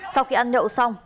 sau khi ăn nhậu xong